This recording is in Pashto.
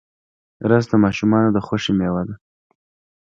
رس د ماشومانو د خوښۍ میوه ده